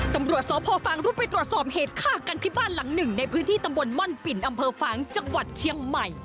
ตำรวจสพฟางรุดไปตรวจสอบเหตุฆ่ากันที่บ้านหลังหนึ่งในพื้นที่ตำบลม่อนปิ่นอำเภอฟางจังหวัดเชียงใหม่